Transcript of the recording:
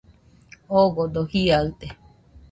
Odogo jiaɨde